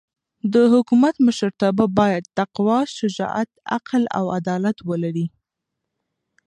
د حکومت مشرتابه باید تقوا، شجاعت، عقل او عدالت ولري.